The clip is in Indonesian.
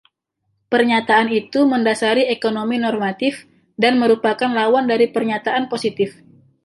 Pernyataan itu mendasari ekonomi normatif, dan merupakan lawan dari pernyataan positif.